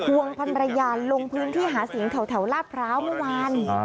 วงพันรยาลงพื้นที่หาเสียงแถวลาดพร้าวเมื่อวาน